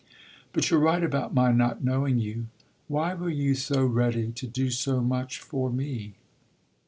"But you're right about my not knowing you. Why were you so ready to do so much for me?"